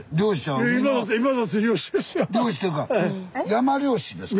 山猟師ですか？